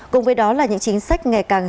cùng với đó là những chính sách ngày càng